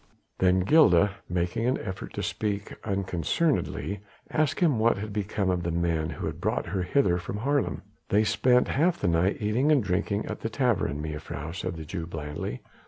Then Gilda making an effort to speak unconcernedly asked him what had become of the men who had brought her hither from Haarlem. "They spent half the night eating and drinking at the tavern, mejuffrouw," said the Jew blandly.